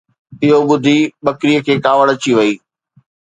اهو ٻڌي ٻڪريءَ کي ڪاوڙ اچي وئي